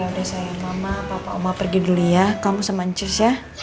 ya udah sayang mama papa oma pergi dulu ya kamu sama ancis ya